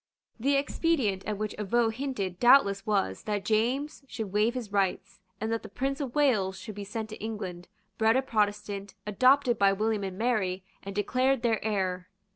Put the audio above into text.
The expedient at which Avaux hinted doubtless was that James should waive his rights, and that the Prince of Wales should be sent to England, bred a Protestant, adopted by William and Mary, and declared their heir.